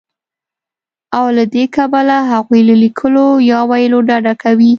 او له دې کبله هغوی له ليکلو يا ويلو ډډه کوي